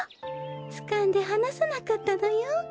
つかんではなさなかったのよ。